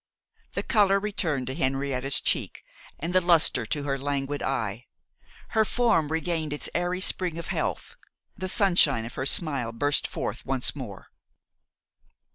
The colour returned to Henrietta's cheek and the lustre to her languid eye: her form regained its airy spring of health; the sunshine of her smile burst forth once more.